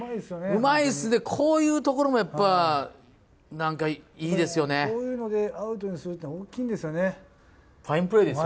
うまいですね、こういうとここういうのでアウトにするって、ファインプレーですよね。